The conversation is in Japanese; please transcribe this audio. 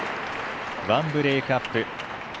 １ブレークアップ。